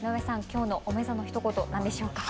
今日のおめざのひと言何でしょうか。